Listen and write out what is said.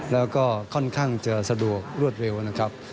แล้วก็ค่อนข้างจะสะดวกรวดเร็วนะครับ